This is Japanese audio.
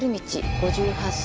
５８歳。